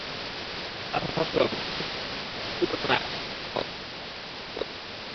তাঁর ভাষ্য, virtual reality প্রযুক্তির তুলনায় অগমেন্টেড রিয়্যালিটি প্রযুক্তি অধিক সম্ভাবনাময়।